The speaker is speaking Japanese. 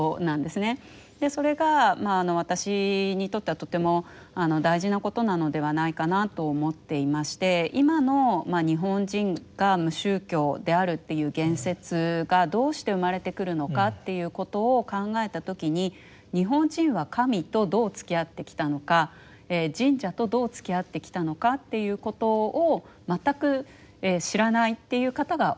それが私にとってはとても大事なことなのではないかなと思っていまして今の日本人が無宗教であるっていう言説がどうして生まれてくるのかっていうことを考えた時に日本人は神とどうつきあってきたのか神社とどうつきあってきたのかっていうことを全く知らないっていう方が多いと。